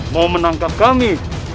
mau menangkap kami